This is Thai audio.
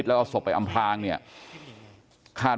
กลุ่มตัวเชียงใหม่